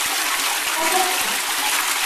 Ṛuḥeɣ.